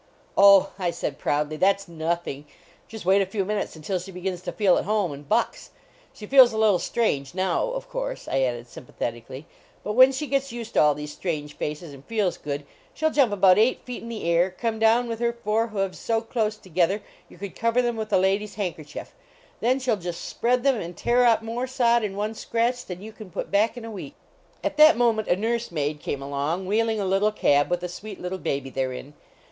"Oh," I said proudly, " that s nothing. Just wait a few minutes until she begins to feel at home and bucks. She feels a little str.mgr no\v, of course," I added, sympa thetically, "but when she gets used to all these strange faces, and feels good, she ll jump up about eight feet in the air, come down with her four hoofs so close together you could cover them with a lady s handkerchief, then she ll just spread them and tear up more sod in one scratch than you can put back in a week." At that moment a nurse maid came along wheeling a little cab with a sweet little baby therein.